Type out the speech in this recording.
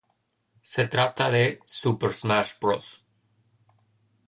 Se trata de "Super Smash Bros.